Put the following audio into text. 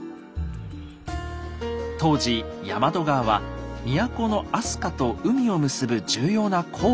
当時大和川は都の飛鳥と海を結ぶ重要な航路でした。